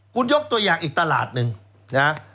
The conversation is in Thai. คุณยกตัวอย่างอีกตลาดหนึ่งนะ